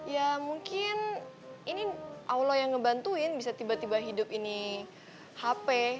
ya mungkin ini allah yang ngebantuin bisa tiba tiba hidup ini hp